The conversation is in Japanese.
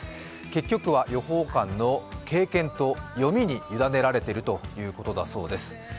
結局は予報官の経験と読みに委ねられているということだそうです。